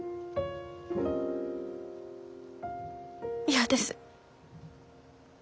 嫌です。